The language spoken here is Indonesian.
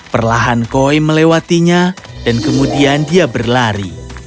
perlahan koi melewatinya dan kemudian dia berlari